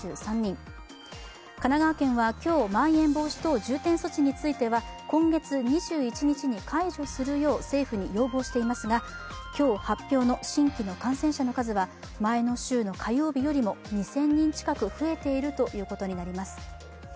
神奈川県は今日、まん延防止等重点措置については今月２１日に解除するよう政府に要望していますが、今日発表の新規の感染者の数は前の週の火曜日よりも２０００人近く増えているということになります。